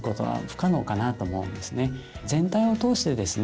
全体を通してですね